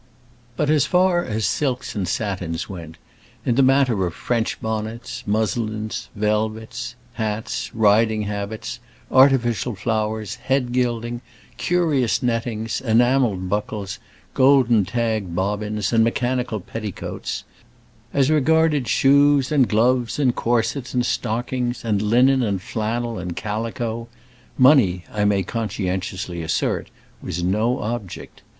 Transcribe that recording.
But as far as silks and satins went in the matter of French bonnets, muslins, velvets, hats, riding habits, artificial flowers, head gilding, curious nettings, enamelled buckles, golden tagged bobbins, and mechanical petticoats as regarded shoes, and gloves, and corsets, and stockings, and linen, and flannel, and calico money, I may conscientiously assert, was no object.